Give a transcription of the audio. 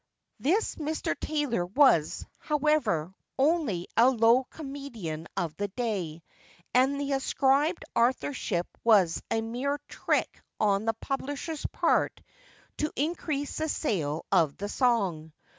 This Mr. Taylor was, however, only a low comedian of the day, and the ascribed authorship was a mere trick on the publisher's part to increase the sale of the song.